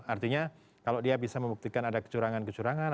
artinya kalau dia bisa membuktikan ada kecurangan kecurangan